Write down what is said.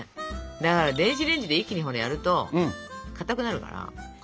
だから電子レンジで一気にやるとかたくなるから。